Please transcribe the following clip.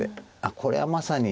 これはまさに。